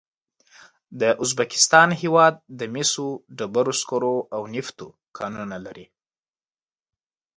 د ازبکستان هېواد د مسو، ډبرو سکرو او نفتو کانونه لري.